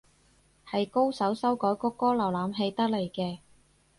係高手修改谷歌瀏覽器得嚟嘅